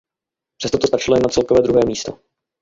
Přesto to stačilo jen na celkové druhé místo.